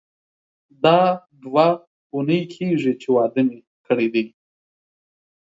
دا دوه اونۍ کیږي چې واده مې کړی دی.